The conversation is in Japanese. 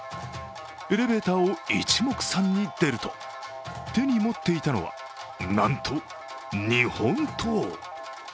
エレベーターをいちもくさんに出ると手に持っていたのは、なんと日本刀。